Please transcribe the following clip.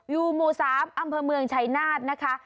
อยู่หมู่๓อำเภอเมืองชัยนาธนะคะ